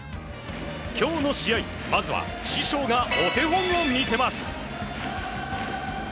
今日の試合、まずは師匠がお手本を見せます。